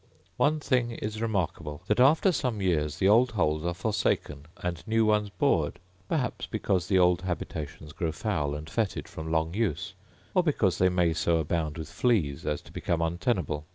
One thing is remarkable — that, after some years, the old holes are forsaken and new ones bored; perhaps because the old habitations grow foul and fetid from long use, or because they may so abound with fleas as to become untenable.